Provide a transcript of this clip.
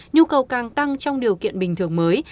nhu cầu càng tăng trong điều kiện bình thường mới